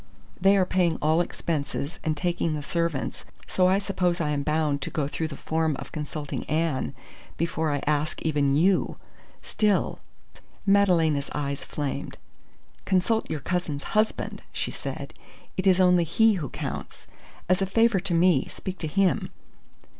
They are paying all expenses, and taking the servants, so I suppose I am bound to go through the form of consulting Anne before I ask even you. Still " Madalena's eyes flamed. "Consult your cousin's husband!" she said. "It is only he who counts. As a favour to me, speak to him."